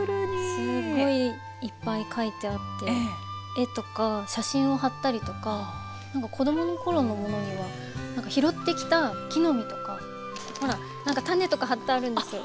すごいいっぱい書いてあって絵とか写真を貼ったりとか子供の頃のものには拾ってきた木の実とかほらなんか種とか貼ってあるんですよ。